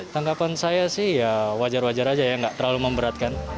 tanggapan saya sih ya wajar wajar aja ya nggak terlalu memberatkan